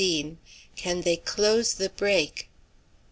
CAN THEY CLOSE THE BREAK?